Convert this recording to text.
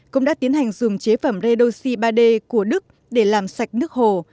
cũng đã tiến hành dùng chế phẩm redoxi ba d của đức để làm sạch nước hồ